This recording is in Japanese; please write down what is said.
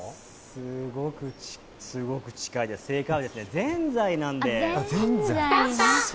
すごく近いです、正解は、ぜんざいなんです。